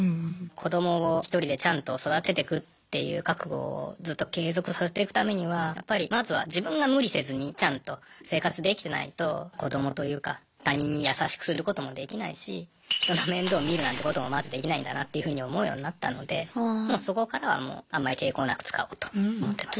子どもをひとりでちゃんと育ててくっていう覚悟をずっと継続させてくためにはやっぱりまずは自分が無理せずにちゃんと生活できてないと子どもというか他人に優しくすることもできないし人の面倒見るなんてこともまずできないんだなっていうふうに思うようになったのでそこからはもうあんまり抵抗なく使おうと思ってます。